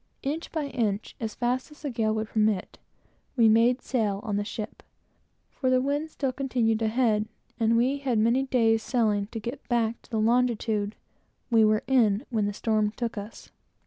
Inch by inch, as fast as the gale would permit, we made sail on the ship, for the wind still continued a head, and we had many days' sailing to get back to the longitude we were in when the storm took us.